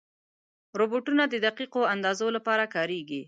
روبوټونه د دقیقو اندازو لپاره کارېږي.